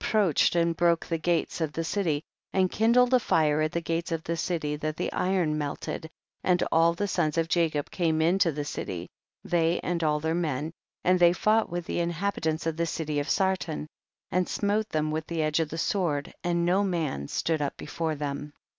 115 preached and broke the gates of the city, and kindled a fire at the gates of the city, that tiie iron niehed, and all the sons of Jacob came into the city, they and all their men, and they fought with the inhabitants of the city of Sarton, and smote them with the edge of the sword, and no man stood up before them.